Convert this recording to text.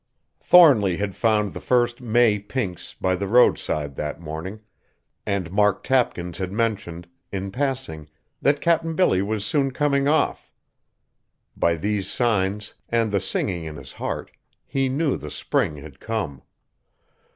Thornly had found the first May pinks by the roadside that morning, and Mark Tapkins had mentioned, in passing, that Cap'n Billy was soon coming off. By these signs, and the singing in his heart, he knew the spring had come.